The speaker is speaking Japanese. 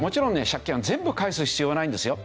借金は全部返す必要はないんですよ。